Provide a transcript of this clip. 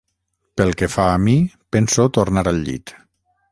Pel que fa a mi, penso tornar al llit.